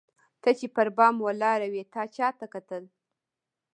ته چي پر بام ولاړه وې تا چاته کتل؟